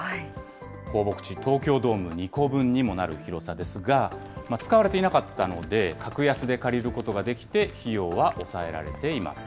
放牧地、東京ドーム２個分にもなる広さですが、使われていなかったので、格安で借りることができて、費用は抑えられています。